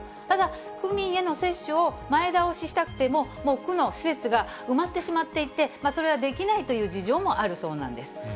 ただ、区民への接種を前倒ししたくても、もう区の施設が埋まってしまっていて、それはできないという事情もあるそうなんです。